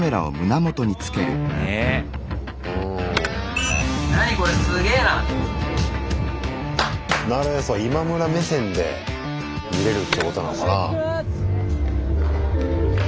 なるへそイマムラ目線で見れるってことなのかな？